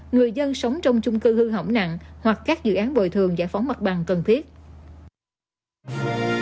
người dân sống trong chung cư hư hỏng nặng hoặc các dự án bồi thường giải phóng mặt bằng cần thiết